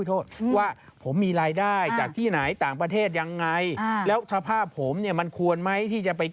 ก็ผมไม่กลัวอะไรและก็ผมทำผิดอะไร